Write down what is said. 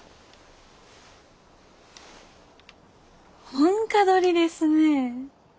本歌取りですね。